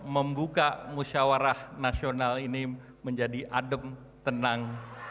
membuka musyawarah nasional ini menjadi adem tenang